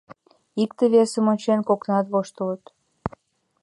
Икте-весым ончен, коктынат воштылыт.